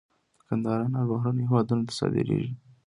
د کندهار انار بهرنیو هیوادونو ته صادریږي